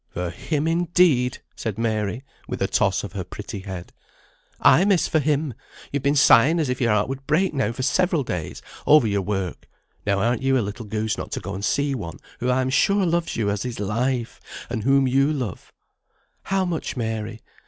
"For him, indeed!" said Mary, with a toss of her pretty head. "Ay, miss, for him! You've been sighing as if your heart would break now for several days, over your work; now arn't you a little goose not to go and see one who I am sure loves you as his life, and whom you love; 'How much, Mary?'